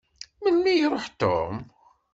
Melmi i iṛuḥ Tom?